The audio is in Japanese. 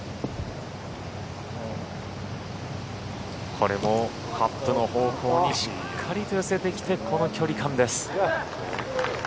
これもカップの方向にしっかりと寄せてきてこの距離感です。